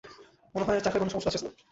মনে হয় চাকায় কোনো সমস্যা আছে, স্যার।